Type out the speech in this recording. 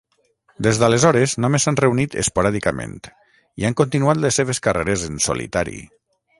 Des d'aleshores només s'han reunit esporàdicament i han continuat les seves carreres en solitari.